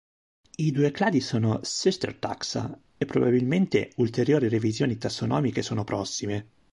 I due cladi sono "sister taxa", e probabilmente ulteriori revisioni tassonomiche sono prossime.